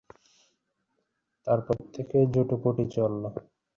তার পর থেকে ঝুঁটোপুটি চলল।